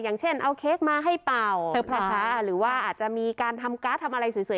อย่างเช่นเอาเค้กมาให้เป่าช้าหรือว่าอาจจะมีการทำการ์ดทำอะไรสวย